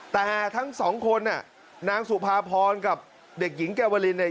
แต่ทั้งสองคนน่ะนางสุภาพรกับเด็กหญิงแกวลินเนี่ย